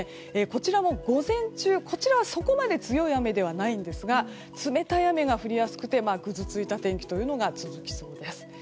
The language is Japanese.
こちらも午前中はそこまで強い雨ではないんですが冷たい雨が降りやすくてぐずついた天気というのが続きそうです。